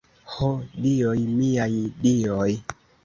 Ho dioj, miaj dioj!